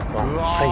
はい。